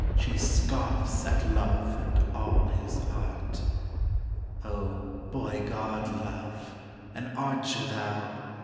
She scoffs at Love and all his art ! Oh, boy god, Love ! An archer thou